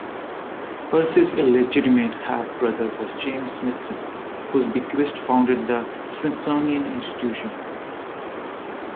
Percy's illegitimate half brother was James Smithson, whose bequest founded the Smithsonian Institution.